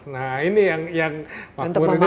nah ini yang makmur ini sudah